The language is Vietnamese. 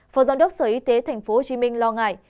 phó giám đốc sở y tế tp hcm lo ngại